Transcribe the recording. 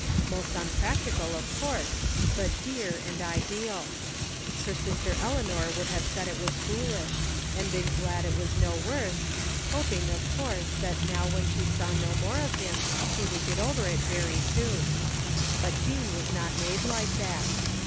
Most impractical, of course, but dear and ideal. Her sister Eleanor would have said it was foolish, and been glad it was no worse, hoping, of course, that now when she saw no more of him she would get over it very soon. But Jean was not made like that.